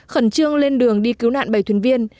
khẩn trương lên đường đi cứu nạn bảy thuyền viên